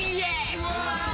うわ！